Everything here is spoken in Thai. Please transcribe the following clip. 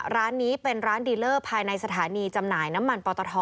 ร้านนี้เป็นร้านดีเลอร์ภายในสถานีจำหน่ายน้ำมันปอตท